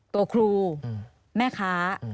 ตัวครูแม่ค้า